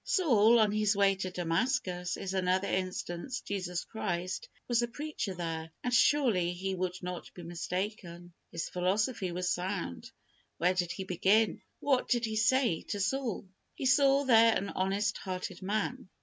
Saul, on his way to Damascus, is another instance. Jesus Christ was the preacher there, and surely, He could not be mistaken. His philosophy was sound. Where did He begin? What did He say to Saul? He saw there an honest hearted man.